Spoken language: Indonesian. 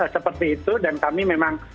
seperti itu dan kami memang